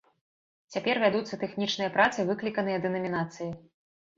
Цяпер вядуцца тэхнічныя працы, выкліканыя дэнамінацыяй.